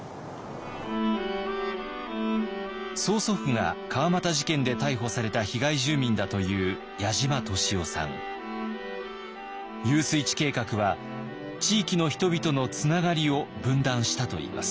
曽祖父が川俣事件で逮捕された被害住民だという遊水池計画は地域の人々のつながりを分断したといいます。